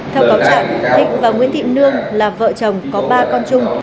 theo báo trạng thịnh và nguyễn thịnh nương là vợ chồng có ba con chung